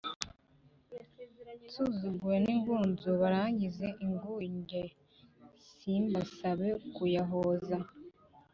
Nsuzuguwe n’ingunzu Barangize ingunge Simbasabe kuyahoza;